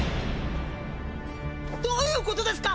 どういうことですか！？